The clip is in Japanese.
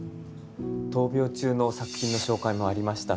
闘病中の作品の紹介もありました。